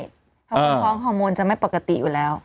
เพราะว่าท้องฮอร์โมนจะไม่ปกติอยู่แล้ว